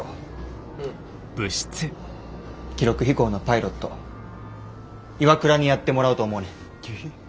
記録飛行のパイロット岩倉にやってもらおうと思うねん。